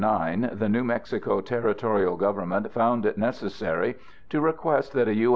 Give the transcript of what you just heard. ] In 1849, the New Mexico territorial government found it necessary to request that a U.